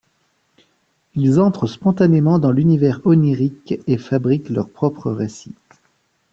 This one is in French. Ils entrent spontanément dans l'univers onirique et fabriquent leur propre récit.